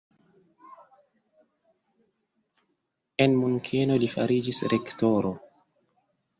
En Munkeno li fariĝis rektoro.